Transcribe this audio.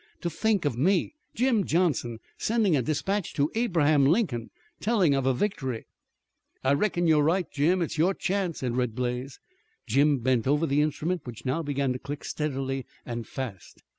"To think of me, Jim Johnson, sending a dispatch to Abraham Lincoln, telling of a victory!" "I reckon you're right, Jim, it's your chance," said Red Blaze. Jim bent over the instrument which now began to click steadily and fast.